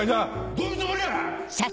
どういうつもりや！